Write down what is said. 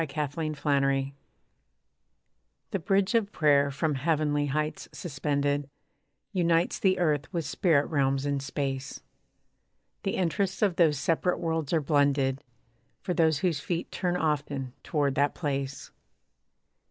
BRIDGE OF PRAYER The bridge of prayer from heavenly heights suspended Unites the earth with spirit realms in Space. The interests of those separate worlds are blended For those whose feet turn often toward that place.